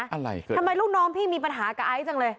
อะไรทำไมลูกน้องพี่มีปัญหากับไอซ์จังเลย